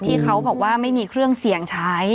ที่เขาบอกว่าไม่มีเครื่องเสี่ยงใช้